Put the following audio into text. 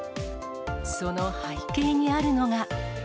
その背景にあるのが。